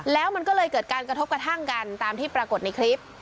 แล้วมันก็เลยเกิดการกระทบกระทั่งกันตามที่ปรากฏในคลิป